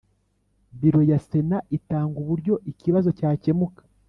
Biro ya sena itanga uburyo ikibazo cyakemuka